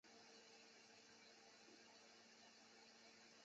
该届比赛在巴西里约热内卢的科帕卡瓦纳沙滩举行。